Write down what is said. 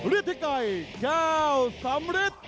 ริดที่ไก่๙สำริด